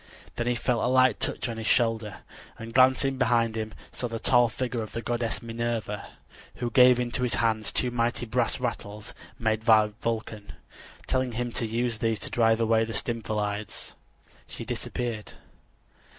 Then he felt a light touch on his shoulder, and glancing behind him saw the tall figure of the goddess Minerva, who gave into his hands two mighty brass rattles made by Vulcan. Telling him to use these to drive away the Stymphalides, she disappeared.